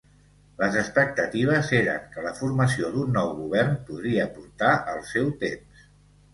Les expectatives eren que la formació d'un nou govern podria portar el seu temps.